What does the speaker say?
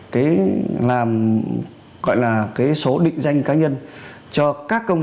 cái làm gọi là cái số định danh cá nhân